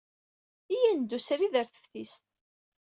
Iyya ad neddu srid ɣer teftist.